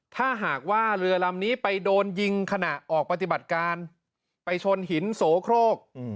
ถ้าหากว่าเรือลำนี้ไปโดนยิงขณะออกปฏิบัติการไปชนหินโสโครก